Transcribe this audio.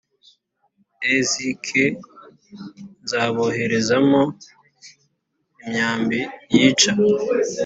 Ezk nzaboherezamo imyambi yica